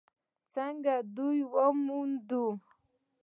_څنګه دې وموند؟